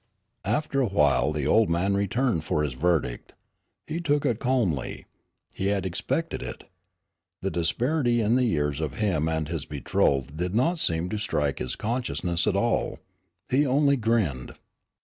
After a while the old man returned for his verdict. He took it calmly. He had expected it. The disparity in the years of him and his betrothed did not seem to strike his consciousness at all. He only grinned.